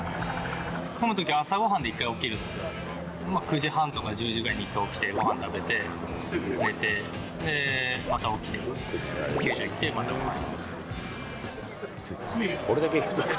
ホームのときは朝ごはんで１回起きる、９時半とか１０時に１回起きて、ごはん食べて、すぐ寝て、で、また起きて、球場行って、またごはん。